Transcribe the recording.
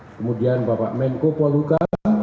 kemudian bapak menko poluka